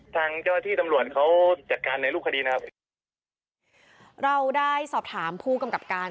ทางเจ้าหน้าที่ตำรวจเขาจัดการในรูปคดีนะครับเราได้สอบถามผู้กำกับการ